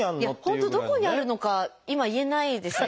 本当どこにあるのか今言えないです